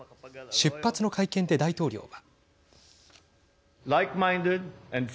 出発の会見で大統領は。